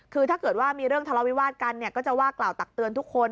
คือถ้าเกิดว่ามีเรื่องทะเลาวิวาสกันเนี่ยก็จะว่ากล่าวตักเตือนทุกคน